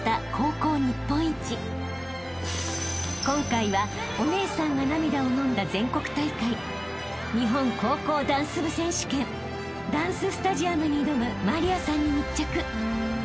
［今回はお姉さんが涙をのんだ全国大会日本高校ダンス部選手権ダンススタジアムに挑む麻莉亜さんに密着］